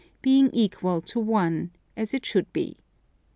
being equal to i, as it should be.